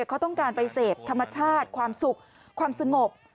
เขาต้องการไปเสพธรรมชาติความสุขความสงบ